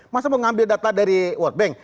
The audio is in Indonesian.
masa mau mengambil data dari world bank